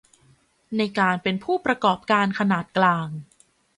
ในการเป็นผู้ประกอบการขนาดกลาง